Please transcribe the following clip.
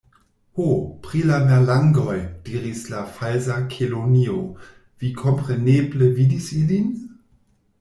"Ho, pri la merlangoj," diris la Falsa Kelonio, "vi kompreneble vidis ilin?"